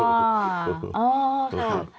โอ้ครับ